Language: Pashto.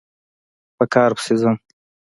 په کار پسې ځم